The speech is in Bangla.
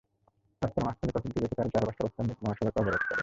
রাস্তার মাঝখানে কফিনটি রেখে তাঁরা চারপাশে অবস্থান নিয়ে মহাসড়ক অবরোধ করেন।